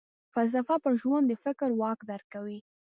فلسفه پر ژوند د فکر واک درکوي.